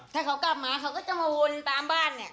ถ้าเขากลับมาเขาก็จะมาวนตามบ้านเนี่ย